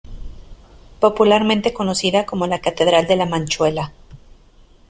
Popularmente conocida como la "Catedral de La Manchuela".